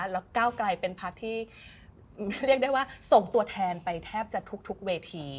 แล้วก้าวไกลเป็นพักที่เรียกได้ว่าส่งตัวแทนไปแทบจะทุกเวที